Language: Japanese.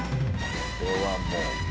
これはもう。